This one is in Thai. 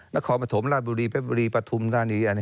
นักของประถมราบบุรีแป๊บบุรีประทุมตรงนี้